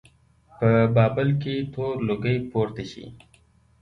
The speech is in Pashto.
په بابل کې تور لوګی پورته شي.